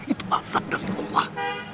itu asap dari rumah